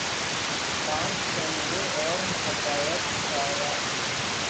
دانش تیمور اور ہدایت کارہ